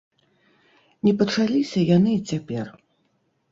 Не пачаліся яны і цяпер.